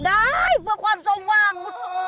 ได้เพื่อความสมหวัง